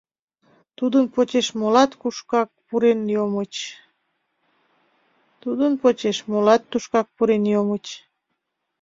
Тудын почеш молат тушкак пурен йомыч.